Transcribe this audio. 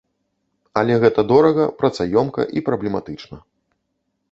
Але гэта дорага, працаёмка і праблематычна.